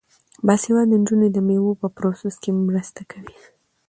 باسواده نجونې د میوو په پروسس کې مرسته کوي.